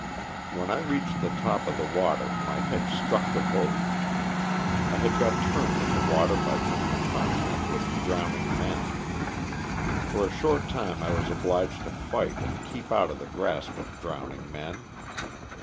When I reached the top of the water my head struck the boat. I had got turned in the water by coming in contact with drowning men. For a short time I was obliged to fight and keep out of the grasp of drowning men.